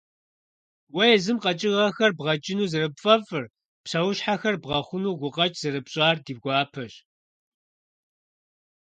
Уэ езым къэкӀыгъэхэр бгъэкӀыну зэрыпфӀэфӀыр, псэущхьэхэр бгъэхъуну гукъэкӀ зэрыпщӀар ди гуапэщ.